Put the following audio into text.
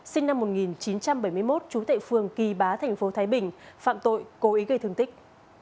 sinh năm một nghìn chín trăm bảy mươi một chú tệ phương kỳ bá tp thái bình phạm tội cố ý gây thương tích